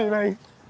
em xin anh